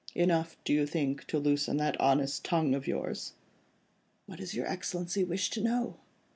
"Enough, do you think, to loosen that honest tongue of yours?" "What does your Excellency wish to know?"